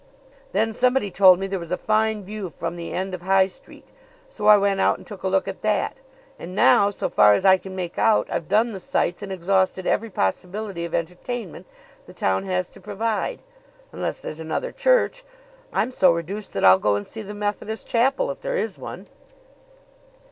"Then somebody told me there was a fine view from the end of High Street; so I went and took a look at that. And now, so far as I can make out, I've done the sights and exhausted every possibility of entertainment the town has to provide unless there's another church. I'm so reduced that I'll go and see the Methodist Chapel, if there is one."